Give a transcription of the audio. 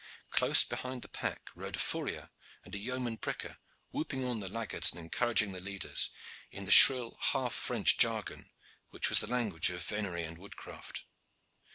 Close behind the pack rode a fourrier and a yeoman pricker, whooping on the laggards and encouraging the leaders, in the shrill half French jargon which was the language of venery and woodcraft.